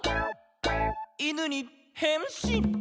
「『いぬ』にへんしん」